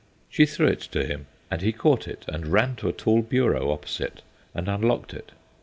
She threw it to him and he caught it and ran to a tall bureau opposite and unlocked it.